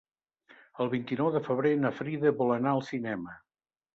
El vint-i-nou de febrer na Frida vol anar al cinema.